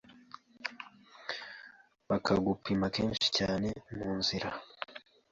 bakagupima kenshi cyane mu nzira